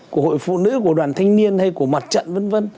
của hội phụ nữ của đoàn thanh niên hay của mặt trận v v